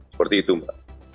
seperti itu mbak